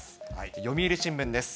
読売新聞です。